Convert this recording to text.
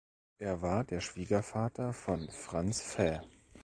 Er war der Schwiegervater von Franz Fäh.